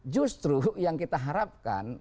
justru yang kita harapkan